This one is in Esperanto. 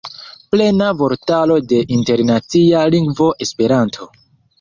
Plena vortaro de internacia lingvo Esperanto.